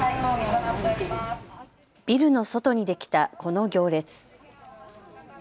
ビルの外にできた、この行列。